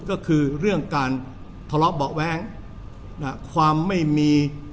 ก็คือเรื่องการทะเลาะเบาะแว้งความไม่มี